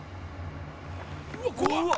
「うわ怖っ！」